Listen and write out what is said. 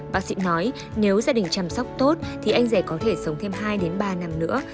bác sĩ nói nếu gia đình chăm sóc tốt thì anh rẻ có thể sống thêm hai đến ba năm nữa